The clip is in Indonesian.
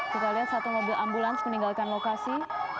kita lihat satu mobil ambulans meninggalkan lokasi